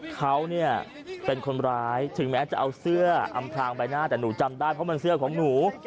เขาเนี่ยเป็นคนร้ายถึงแม้จะเอาเสื้ออำพลางใบหน้าแต่หนูจำได้เพราะมันเสื้อของหนู